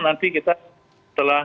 jadi kita telah